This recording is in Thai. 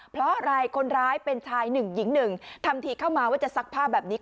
เพราะอะไรคนร้ายเป็นชายหนึ่งหญิงหนึ่งทำทีเข้ามาว่าจะซักผ้าแบบนี้